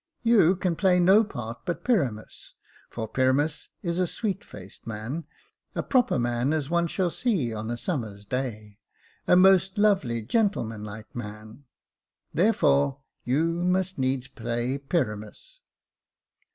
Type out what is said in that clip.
*' You can play no part but Py ramus ; for Py ramus is a sweet faced man — a proper man as one shall see on a summer's day ; a most lovely gentleman like man ; there fore, you must needs play Pyramus."